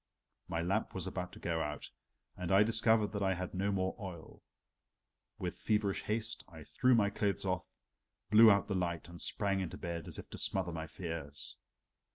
My lamp was about to go out and I discovered that I had no more oil. With feverish haste I threw my clothes off, blew out the light and sprang into bed as if to smother my fears.